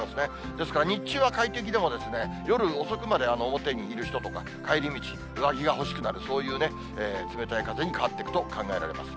ですから日中は快適でも、夜遅くまで表にいる人とか、帰り道、上着が欲しくなる、そういう冷たい風に変わっていくと考えられます。